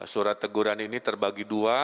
surat teguran ini terbagi dua